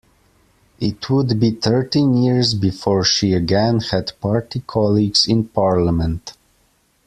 It would be thirteen years before she again had party colleagues in Parliament.